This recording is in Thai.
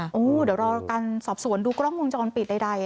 เดี๋ยวรอการสอบสวนดูกล้องวงจรปิดใด